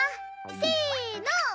せの！